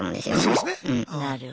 そうですね。